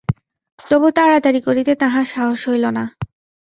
তবু তাড়াতাড়ি করিতে তাঁহার সাহস হইল না।